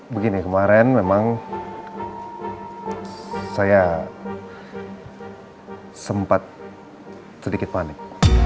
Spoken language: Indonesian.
begini kemarin memang saya sempat sedikit panik